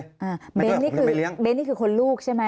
อ่าเบนด้วยผมก็เลยเลี้ยงเบนนี่คือคนลูกใช่ไหม